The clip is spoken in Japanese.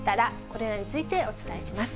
これらについてお伝えします。